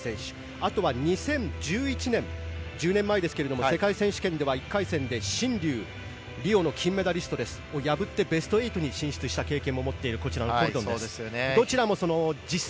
あとは２０１１年１０年前ですが世界選手権では１回戦でシン・リュウリオの金メダリストを破ってベスト８に進出した経験も持っているコルドンです。